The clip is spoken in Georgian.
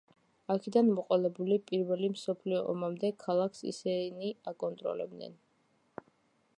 აქედან მოყოლებული პირველი მსოფლიო ომამდე ქალაქს ისინი აკონტროლებდნენ.